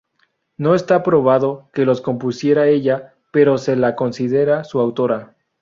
No está probado que los compusiera ella, pero se la considera su autora.